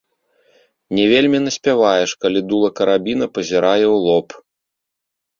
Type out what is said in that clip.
Не вельмі наспяваеш, калі дула карабіна пазірае ў лоб.